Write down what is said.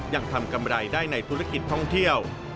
ยังทำกำไรได้ในธุรกิจท่องเที่ยว